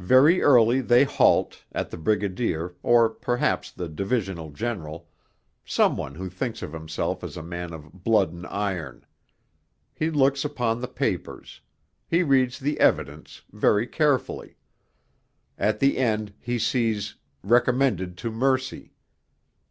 Very early they halt, at the Brigadier, or perhaps the Divisional General, some one who thinks of himself as a man of 'blood and iron.' He looks upon the papers. He reads the evidence very carefully. At the end he sees 'Recommended to Mercy.'